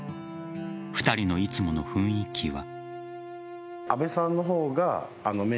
２人のいつもの雰囲気は。